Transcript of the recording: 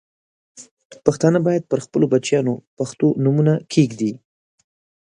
پښتانه باید پر خپلو بچیانو پښتو نومونه کښېږدي.